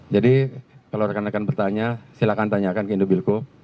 jadi kalau rekan rekan bertanya silahkan tanyakan ke indobilco